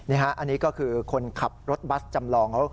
อันนี้ก็คือคนขับรถบัสจำลองเขา